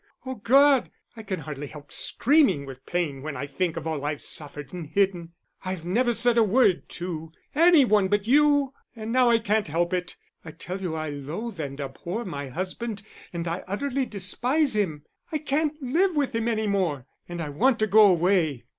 Oh God, I can hardly help screaming with pain when I think of all I've suffered and hidden. I've never said a word to any one but you, and now I can't help it. I tell you I loathe and abhor my husband and I utterly despise him. I can't live with him any more, and I want to go away."